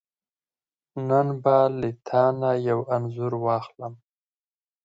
نن به له تانه یو انځور واخلم .